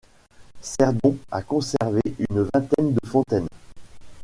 Cerdon a conservé une vingtaine de fontaines.